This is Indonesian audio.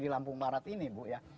di lampung barat ini bu ya